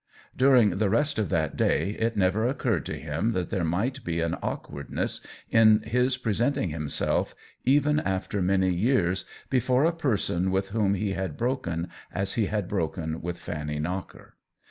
During the rest of that day it never oc curred to him that there might be an awk wardness in his presenting himself, even after many years, before a person with whom he had broken as he had broken with Fanny Knocker.